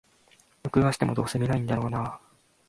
録画しても、どうせ観ないんだろうなあ